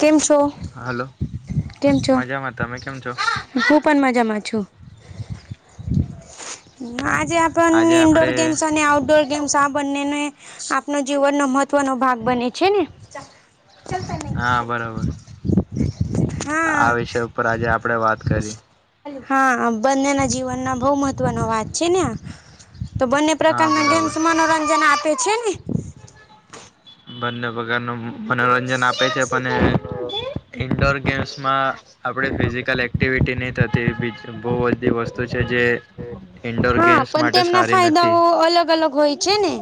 કેમ છો? હલો, કેમ છો? મજામાં, તમે કેમ છો? હું પણ મજામાં છું, આજે આજે પણ આપડે ગેમ્સ અને કેમ આ બંનેને, આપનો જીવનનો મહત્વનો ભાગ બને છે ને? ચાલતા નહીં. હા બરાબર [unintelligible] આ વિષય ઉપર આજે આપણે વાત કરીએ. હા, બંનેના જીવનમાં બહ મહત્વના વાત છે ને, તો બંને હા પ્રખરડમાં બરાબર ગેમ્સ મનોરંજન આપે છે ને. બંનેપગારનનું મનોરંજન આપે છે પણ ઇન્ડોર ગેમ્સમાં આપણે ફિઝિકલ એક્ટિવિટી નહી થતી. બહુ બધી વસ્તુ છે જે ઇન્ડોર હા, ગેમ્સ પણ માટે તેમના સારી નથી ફાયદાઓ અલગ અલગ હોય. છે ને,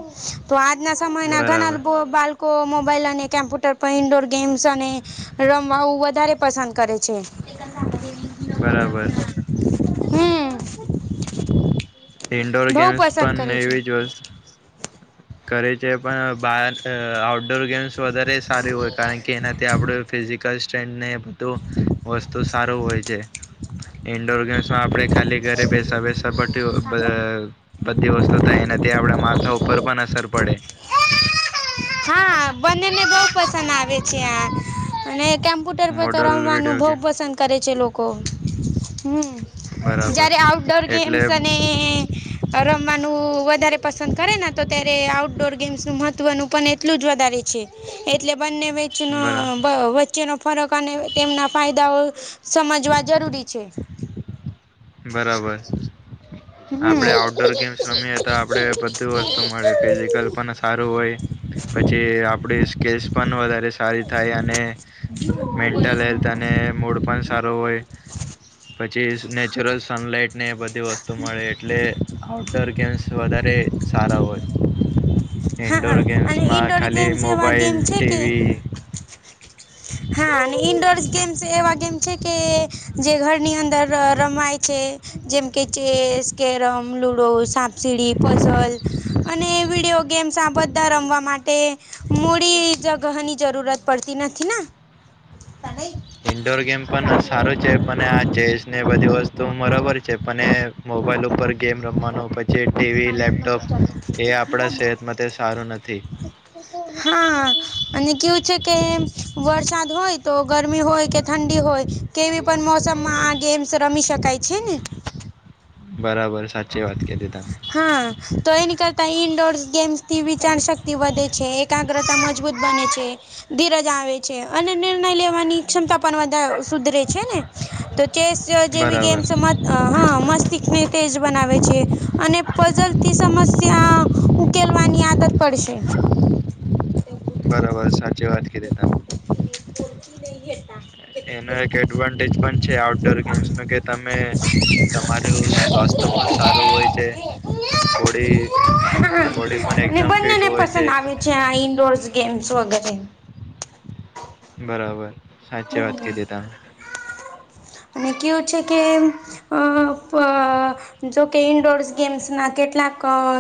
તો આજના સમયના બરાબર ઘણા બા લોકો મોબાઈલ અને કમ્પ્યુટર પર ઇન્ડોર ગેમ્સ અને, રમવાું વધારે પસંદ કરે છે. બરાબર. હમ ઇન્ડોર બહુ ગેમ્સ પસંદ પણ કરે છે એવી જ હો કરે છે, પણ બ આઉટડોર ગેમ્સ વધારે સારી હોય કારણ કે એનાથી આપણે ફિઝિકલ સ્ટ્રેન્થને તો વસ્તુ સારું હોય છે. ઇન્ડોર ગેમ્સમાં આપણે ખાલી ઘરે બેસા બેસા બધી વસ્તુ થાય એનાથી આપણા માથા ઉપર પણ અસર પડે હા બંનેને બો પસંદ આવે છે, આ અને કમ્પ્યુટર પર તો મોડલ રમવાનું વિડીયો બો ગેમ પસંદ કરે છે, લોકો હમ બરાબર જ્યારે આઉટડોર એટલે ગેમ્સ અને રમવાનું વધારે પસંદ કરેને તો ત્યારે આઉટડોર ગેમ્સનું મહત્વનું પણ એટલું જ વધારે છે, એટલે બંને વેચનો બરા વચ્ચેનો ફરક અને તેમના ફાયદાઓ સમજવા જરૂરી છે. બરાબર. હમ. આપણે આઉટડોર ગેમ્સ રમીએ તો આપણે બધી વસ્તુ મળે ફિઝિકલ પણ સારું હોય પછી આપણી પણ વધારે સારી થાય અને મેન્ટલ હેલ્થ અને મૂડ પણ સારો હોય પછી [unintelligible] સનલાઇટને બધી વસ્તુ મળે એટલે આઉટડોર ગેમ્સ વધારે સારા હોય. હા ઇન્ડોર અને ગેમ્સમાં ઇન્ડોર ખાલી ગેમ્સ એવા ગેમ મોબાઈલ, છે કે ટીવી હા અને ઇન્ડોરસ ગેમ્સ એવા ગેમ છે, કે જે ઘરની અંદર ર રમાય છે. જેમ કે ચેસ, કેરમ, લુડો, સાપસીડી, પઝલ અને વિડીયો ગેમ્સ આ બધા રમવા માટે મૂડી જગહની જરૂરત પડતી નથી ને? તને? ઈન્ડોર ગેમ પણ સારું છે, પણ આ ચેસ ને બધી વસ્તુ બરાબર છે, પણે મોબાઈલ ઉપર ગેમ રમવાનો પછી ટીવી, લેપટોપ એ આપડા સેહત માટે સારું નથી. હા. અને કેવું છે, કે એમ વરસાદ હોય તો ગરમી હોય કે ઠંડી હોય. કેવી પણ મોસમમાં આ ગેમ્સ રમી શકાય છે, ને બરાબર સાચી વાત કિઘી ત હા તો એની કરતા ઇન્ડોર ગેમ્સથી વિચાાર શક્તિ વધે છે. એકાગ્રતા મજબૂત બને છે. ધીરજ આવે છે, અને નિર્ણય લેવાની ક્ષમતા પણ વધા સુધરે છે, ને તો ચેસ જેવી બરાબર ગેમસ મ હા મસ્તિષ્ક ને તેજ બનાવેે છે. અને પઝલથી સમસ્યા ઉકેલ વાની આદત પડશે બરોબર છે, સાચી વાત કેધી તમે [inaudible] એનો એક એડવાન્ટેજ પણ છે, આઉટડોર ગેમ્સ ન કે તમે તમારું સ્વાસ્થ પણ સારું હોય છે, બોડી બોડી પણ એકદમ ફિટ હોય છે. જયા ઇન્ડોરસ ગેમ્સ વગેરે બરાબર સાચી વાત કીધી તમે અને કેવું છે, કે અ અ જોકે ઈન્ડોર ગેમ્સના કેટલાક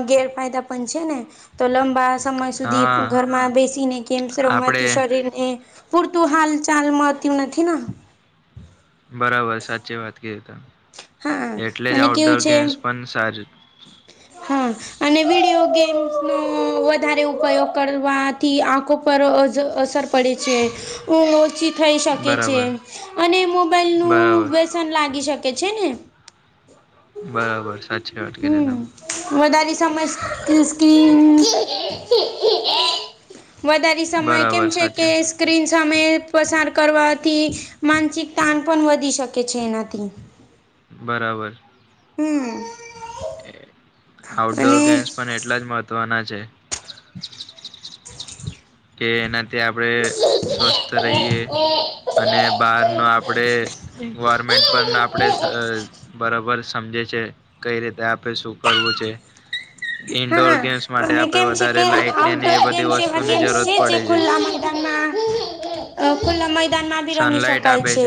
ગેરફાયદા પણ છે, ને તો લંબા સમય સુધી હા ઘરમાં બેસીને ગેમ્સ આપડે રમવાથી શરીર એ પૂરતું હાલ ચાલ મળતુ નથી ના બરાબર સાચી વાત કરી તમે હા એટલે જ અને કેવું આઉટડોર છે ગેમ્સ પણા સારી હા. અને વિડીયો ગેમ્સનો વધારે ઉપયોગ કરવાથી આંખો પર અ અસર પડે છે, ઉધ ઓછી થઈ શકે છે, બરાબર અને મોબાઈલનું બરાબર વ્યસન લાગી શકે ને બરાબર સા હમ વધારે સમજ સ્કીન વધારે સમય કેમ બરાબર છે, કે સાચી સ્ક્રીન સમયે પસાર કરવાથી માનસિક તાણ પણ વધી શકે છે, એનાથી બરાબર હમ. આઉટડોર અને ગેમ્સ પણ એટલા જ મહત્વના છે. કે એનાથી આપણે સ્વસ્થ રહીએ અને બહારનુ આપણેે એન્વાર્મેન્ટ પણ આપણે અ બરોબર સમજે છે, કઈ રીતે આપણે શું કરવું છે. ઈન્ડોર હા ગેમ્સ માટે અને આપડે કેમ છે વધારે કે લાઈટની અને એ આઉટડોર બધી ગેમ્સ એવા વસ્તુની ગેમ્સ જરૂર જે ખુલ્લા મેૈદાનમાં અ ખુલ્લા મેદાનમાં ભી રમી સનલાઈટ શકાય આપે છે.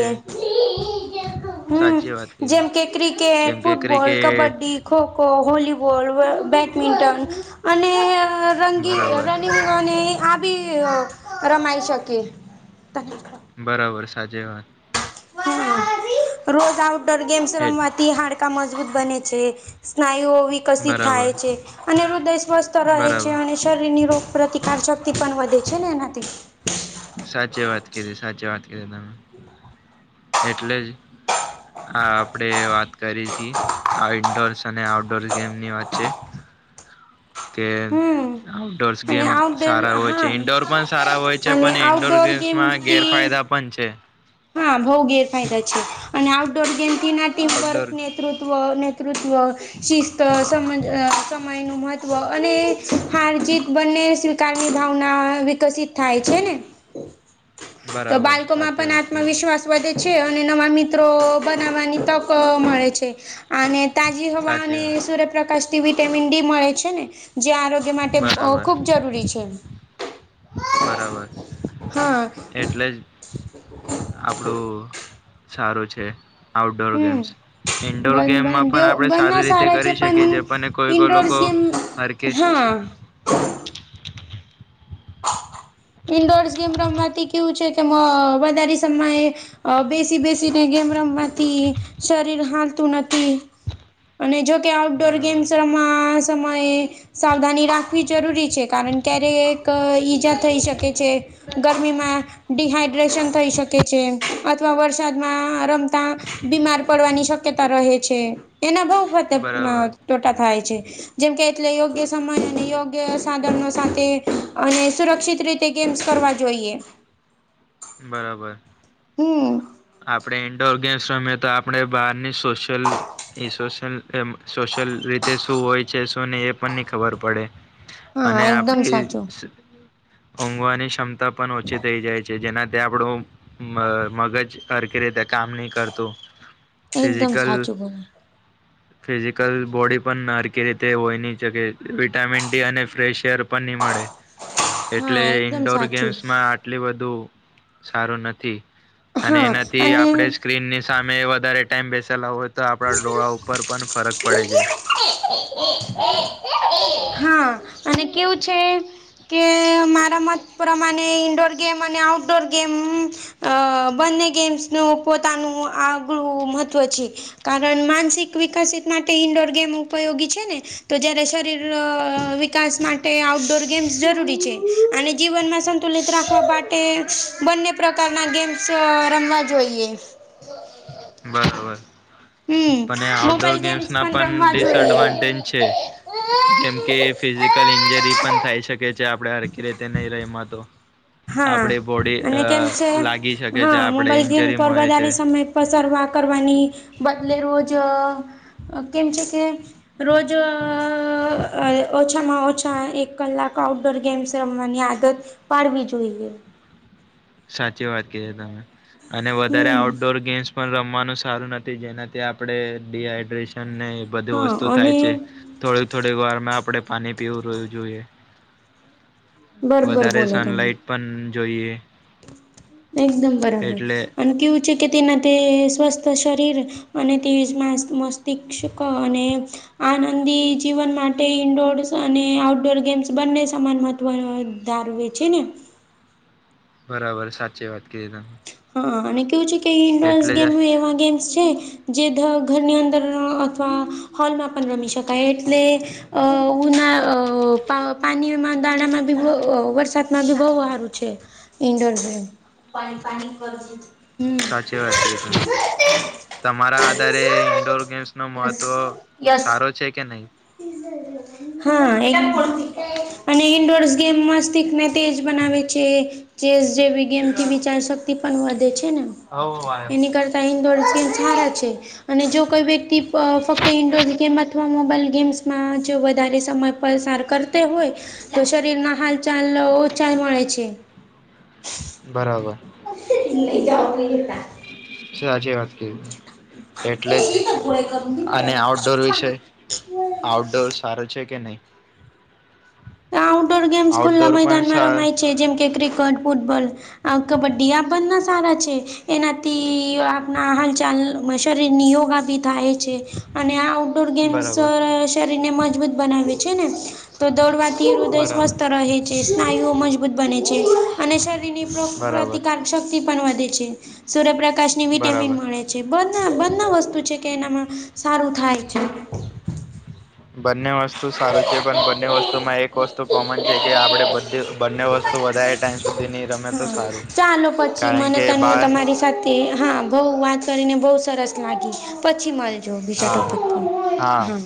હમ સાચી વાત કીધી જેમ કે ક્રિકેટ, જેમ કે football, cricket kabaddi kho kho, volleyball, badminton અને રંગી બરાબર અને આ ભી રમાઈ શકે બરાબર સાચી વાત હમ રોજ આઉટડોર ગેમ્સ એ રમવાથી હાડ કા મજબૂત બને છે, સ્નાયુઓ વિ કશી બરાબર થાય છે, અને હૃદય સ્વસ્થ રહે છે, બરાબર અને શરીરની રોગ પ્રતિકાર શક્તિ પણ વધે છે, ને એનાથી સાચી વાત કીધી સાચી વાત કીધી તમે એટલે જ આ આપડે વાત કરીતી આ ઇન્ડોર્સ અને આઉટડોર ગેમની વાત છે, કે હમ આઉટડોરસ અને ગેમ સારા આઉટડોર હોય છે, હા ઈન્ડોર પણ સારા હોય છે, અને પણ ઈન્ડોર આઉટડોર ગેમથી ગેરફાયદા પન છે. હા બહુ ગેરફાયદા છે, અને આઉટડોર ગેમથી ના ટીમ આઉટડોર વર્કનેતૃ તવ નેતૃત્વ સીસત સમજ અ સમય નું મહત્વ અને હારજીત બંને કારની ભાવના વિકસિત થાય છે, ને બરાબર સાચીવાત કરી શ્વાસ વધે છે, અને નવા મિત્રો બનાવવાની તક મળે છે, અને તાજી હવા સાચી અને વાત સૂર્યપ્રકાશથી વિટામિન ડી મળે છે, ને જયા આરોગ્ય અ બરાબર ખૂબ જરૂરી છે, બરાબર હા એટલે જ આપણું સારું છે, આઉટડોર હમ. ગેમ્સ ઇન્ડોર બન ગેમમાં બન પણ બેવ આપણે બંના સારી રીતે સારા છે કરી શકીએ છે, પણ કોઈ કોઈ લોકો ઇન્ડોર્સ ગેમ હારકે હા ઇન્ડોર્સ ગેમ રમવાથી કેવું છે, કે મ વધારે સમયે અ બેસી બેસીને ગેમ રમવાથી શરીર હાલતું નથી. અને જોકે આઉટડોર બરાબર ગેમ્સ રમા સમયે સાવધાની રાખવી જરૂરી છે, કારણ ક્યારેક ઈજા થઈ શકે છે. ગરમીમાં ડિહાઈડ્રેશન થઈ શકે છે, અથવા વરસાદમાં રમતા બીમાર પડવાની શક્યતા રહે છે, એના બઉ હત અહ બરાબર ટોટા થાય છે. જેમકે, એટલે યોગ્ય સમય અને યોગ્ય સાધનો સાથે અને સુરક્ષિત રીત તે ગેમ્સ કરવા જોઈએ. બરાબર. હમ્મ. આપડે ઇન્ડોર ગેમ્સ રમે તો આપડે બહારની સોશિયલ એ સોશિયલ એમ સોશિયલ રીતે શું હોય છે, શું નહીં એ પણ નહી ખબર પડે. હા અને એકદમ આપડી સાચું સ ઊંઘવાની ક્ષમતા પણ ઓછી થઈ જાય છે, જેનાથી આપડું મ-મગજ હરકી રીતે કામ નહીં કરતું. એકદમ ફિઝિકલ સાચું બોલે ફિઝિકલ બોડી પણ નારકી રીતે હોય નહીં શકે વિટામિન ડી અને એર પણ મળે. હા એટલે એકદમ સાચું ઈન્ડોરગેમ્સ માં આટલી બધું સારું નથી. હા. થી અને આપડે સ્ક્રીન ની સામે વધારે ટાઈમ બેસેલા હો તો આપડા ડોળા ઉપર પણ ફરક પડે છે. હા અને કેવું છે કે મારા મત પ્રમાણે ઇન્ડોર ગેમ અને આઉટડોર ગેમ અહ બંને ગેમ્સ નું પોતાનું આગલું મહત્વ છે. કારણ માનસિક વિકસિત માટે ઇન્ડોર ગેમ ઉપયોગી છે ને તો જયારે શરીર અહ વિકાસ માટે આઉટડોર ગેમ્સ જરૂરી છે, અને જીવનમાં સન સંતુલિત રાખવા માટે બંને પ્રકારના ગેમ્સ અહ રમવા જોઈએ. હ [unintelligible] [inaudible] બરોબર પણ એ આઉટડોર મોબાઈલ ગેમ્સ ના પણ રમવા જોઈએ. ડિસએડવાટિંગ છે. જેમ કે ફિઝિકલ ઇન્જરી પણ થાય શકે. કે છે, આપડે હરખી રીતે નહીં રમ્યા એમાંતો. હા અને કેમ છે, શકે હા છે આપણે મોબાઈલ ગેમ ઇન્જરી મળે છે પર્વાદારી સમય પસારવા કરવાની બદલે રોજ અહ કેમ છે કે રોજ અહ ઓછામાં ઓછા એક કલાક આઉટ ગેમ્સ રમવાની આદત પાડવી જોઈએ. સાચી વાત કીધી તમે અને વધારે હમ આઉટડોર ગેમ્સ પણ રમવાનું સારું નથી જેનાથી આપડે ડીહાઈડ્રેસ સન નહી એ બધી હા વસ્તુ અને થાય છે થોડીક થોડીક વારમાં આપડે પાણી પીવું રહવું જોઈએ. બરોબર વધારે બોલે તમે સનલાઈટ પણ જોઈએ. એકદમ બરાબર એટલે અને કેવું છે કે તેના તે સ્વસ્થ શરીર અને તે જ માસ મસ્તીક્ષ અને આનંદી જીવન માટે ઇન્ડોર્સ અને આઉટડોર ગેમ્સ બંને સમાન મહત્વનો હોય. ધારું એ છે ને. બરાબર સાચે વાત કરી તમે. હા અને કેવું છે કે ઈન્ડોરસ એટલે જ ગેમ્સ બી એવા ગેમ્સ છે જે ધ ઘરની અંદર અથવા હોલમાં પણ રમી શકાય એટલે અહ ઉના અહ પા-પાણીમાં દાણામાં બી અહ વ વરસાદમાં બી બહુ હારું છે. Indoor game. સાચી વાત કીધી તમે. તમારા આધારે ઈન્ડોર ગેમ્સ નો યસ મહત્વ યસ સારો છે કે નહીં? [unintelligible] હા [unintelligible] અને ઇન્ડોર્સ ગેમ્સ મસ્તિષ્ક ને તેજ બનાવે છે. ચેસ જેવી ગેમથી વિચાર શક્તિ પણ વધે છે ને એની કરતા તે ઈન્ડોર ગેમ્સ હારો છે અને જો કોઈ બી તી અ ફક્ત ઈન્ડોર ગેમ અથવા મોબાઈલ ગેમ્સ મા જો વધારે સમય પસાર કરતે હોય તો શરીર ના હાલ ચાલ ઓછા મળે છે. બરાબર. [unintelligible] [inaudible] [unintelligible] સાચી વાત કીધી. એ એટલે શી તો જ ગોળે કરું બેટા અને આઉટડોર વિશે આઉટડોર સારો છે કે નહીં આઉટડોર ગેમ્સ સ્કુલ ના આઉટડોર પણ મેદાનમાં સા રમાય છે જેમકે ક્રિકેટ ફૂટબોલ આ કબડ્ડી આ બના સારા છે. એનાથી આપણા હાલચાલ શરીર ની યોગા થી થાય છે. અને આ આઉટડોર ગેમ્સ બરાબર શ શરીરને મજબૂત બનાવે છે ને તો દોડવા હૃદય બરાબર સ્વસ્થ રહે છે સ્નાયુઓ મજબૂત બને છે અને શરીરની રોગ બરાબર પ્રતિકાર શક્તિ પણ વધે છે સૂર્યપ્રકાશ ની વિટામીન બરાબર મળે છે. છે બના બના વસ્તુ છે કે એનામાં સારું થાય છે. બને વસ. શું સારું છે પણ બંને વસ્તુમાં એક વસ્તુ કોમન છે કે આપણે બધે બંને વસ્તુ તો વધારે ટાઈમ સુધી ની રમે તો હા સારું કારણ કે બહાર હે હા બહુ વાત કરીને બહુ સરસ લાગી પછી મળે. જો [inaudible] હા [unintelligible] હા